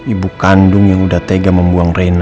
ibu kandung yang udah tega membuang rena